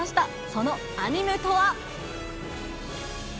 そのアニメとは。